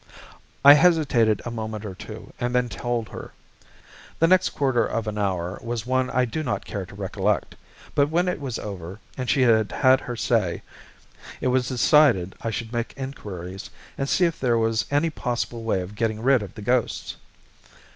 I hesitated a moment or two and then told her. The next quarter of an hour was one I do not care to recollect, but when it was over, and she had had her say, it was decided I should make enquiries and see if there was any possible way of getting rid of the ghosts.